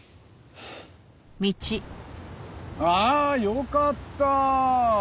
ああよかった。